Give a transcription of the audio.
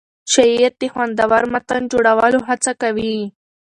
شاعر د خوندور متن جوړولو هڅه کوي.